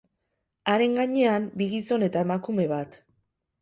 Haren gainean, bi gizon eta emakume bat.